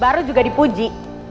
baru juga dipuji